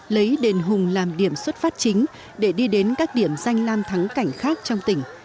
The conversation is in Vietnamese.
lấy đền hùng làm điểm xuất phát chính để đi đến các điểm danh lam thắng cảnh khác trong tỉnh